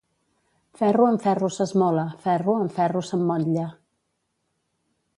Ferro amb ferro s'esmola, ferro amb ferro s'emmotlla.